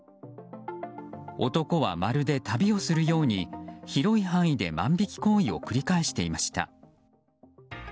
男はまるで旅をするように広い範囲で万引き行為を繰り返していました。